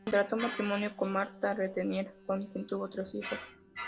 Contrajo matrimonio con Marta Letelier, con quien tuvo tres hijos.